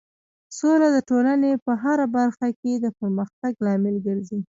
سوله د ټولنې په هر برخه کې د پرمختګ لامل ګرځي.